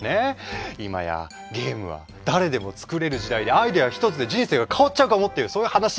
いまやゲームは誰でも作れる時代でアイデア一つで人生が変わっちゃうかもっていうそういう話なんですよ。